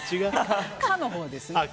「佳」のほうですね。